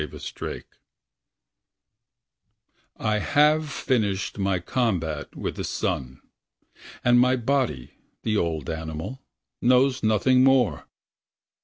pdf I have finished my combat with the sun; And my body, the old animal. Knows nothing more